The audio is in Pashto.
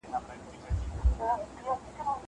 کېدای سي شګه ناپاکه وي!!